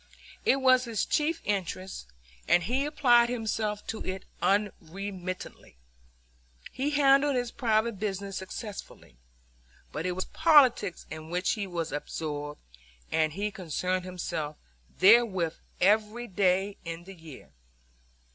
It was his chief interest, and he applied himself to it unremittingly. He handled his private business successfully; but it was politics in which he was absorbed, and he concerned himself therewith every day in the year.